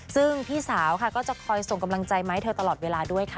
ซึ่งพี่สาวค่ะก็จะคอยส่งกำลังใจมาให้เธอตลอดเวลาด้วยค่ะ